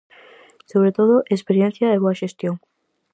Sobre todo, experiencia e boa xestión.